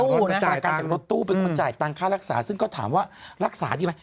ประกันจากรถตู้เป็นคนจ่ายตังค่ารักษาซึ่งก็ถามว่ารักษาดีไหม